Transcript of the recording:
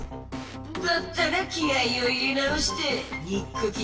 だったら気合いを入れ直してにっくき